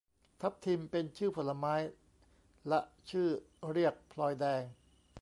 ทับทิม เป็นชื่อผลไม้ ละชื่อเรียกพลอยแดง